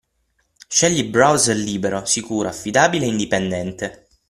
Scegli il browser libero, sicuro, affidabile e indipendente.